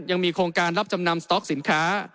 ยังมีโครงการรับจำนำสต๊อกสินค้า